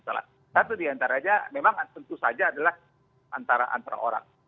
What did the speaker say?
tapi diantara saja memang tentu saja adalah antara antara orang